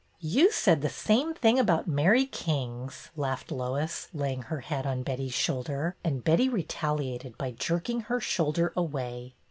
You said the same thing about Mary King's," laughed Lois, laying her head on Betty's shoul der, and Betty retaliated by jerking her shoulder away.